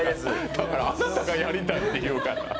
だから、あなたがやりたいって言うから。